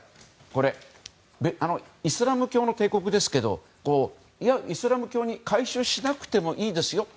イスラム教の帝国ですけどいや、イスラム教に改宗しなくてもいいですよ